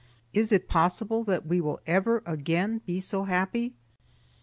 Is it possible that we will ever again be so happy?